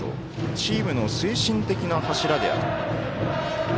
チームの精神的な柱でもある。